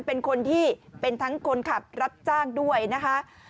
เป็นคนที่เป็นทั้งคนขับรับจ้างด้วยนะคะ